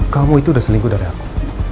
kamu itu udah selingkuh dari aku